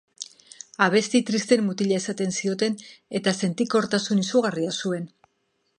Abesti tristeen mutila esaten zioten eta sentikortasun izugarria zuen.